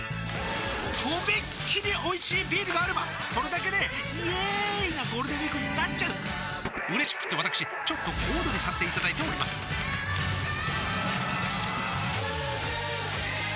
とびっきりおいしいビールがあればそれだけでイエーーーーーイなゴールデンウィークになっちゃううれしくってわたくしちょっと小躍りさせていただいておりますさあ